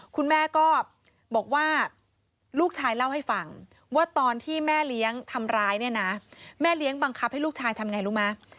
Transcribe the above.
คุณแม่ก็บอกว่าลูกชายเล่าให้ฟังว่าตอนที่แม่เลี้ยงทำร้ายเนี่ยนะแม่เลี้ยงบังคับให้ลูกชายทำไงรู้ไหม